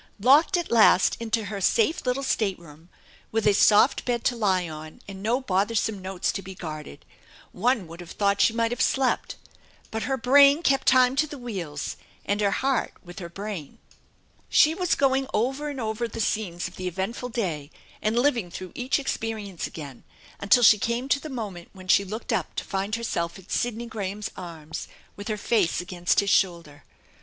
Locked at last into her safe little stateroom, with a soft bed to lie on and no bothersome notes to be guarded, one would have thought she might have slept, but her brain kept time to the wheels, and her heart with her brain. She was THE ENCHANTED BARN 291 going over and over the scenes of the eventful day, and living through each experience again, until she came to the moment when she looked up to find herself in Sidney Graham's arms, with her face against his shoulder.